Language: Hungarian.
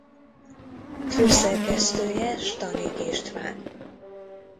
Főszerkesztője Stanik István.